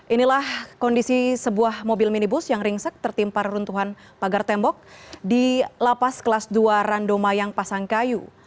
inilah kondisi sebuah mobil minibus yang ringsek tertimpa reruntuhan pagar tembok di lapas kelas dua rando mayang pasangkayu